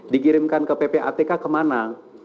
dikirimkan ke ppatk kemana